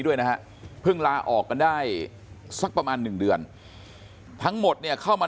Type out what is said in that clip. ด้วยนะฮะเพิ่งลาออกกันได้สักประมาณ๑เดือนทั้งหมดเนี่ยเข้ามา